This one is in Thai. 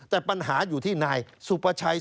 แต่ปัญหาอยู่ที่นายสุประชัย